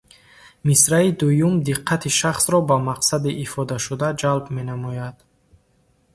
Мисраи дуюм диққати шахсро ба мақсади ифодашуда ҷалб менамояд.